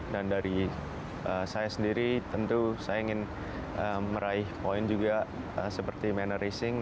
dan dari saya sendiri tentu saya ingin meraih poin juga seperti manor racing